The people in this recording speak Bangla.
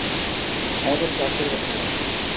আমাদেরকে আশীর্বাদ করো।